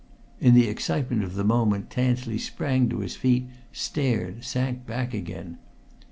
In the excitement of the moment Tansley sprang to his feet, stared, sank back again.